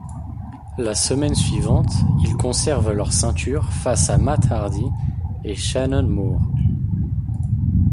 La semaine suivante ils conservent leurs ceintures face à Matt Hardy & Shannon Moore.